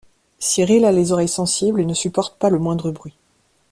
Cyril a les oreilles sensibles et ne supporte pas le moindre bruit.